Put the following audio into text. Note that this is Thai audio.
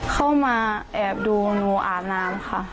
เข้ามาแอบดูหนูอาบน้ำค่ะ